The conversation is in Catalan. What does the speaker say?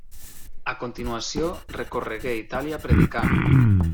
A continuació recorregué Itàlia predicant.